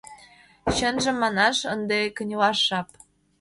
Чынжым манаш, ынде кынелаш жап.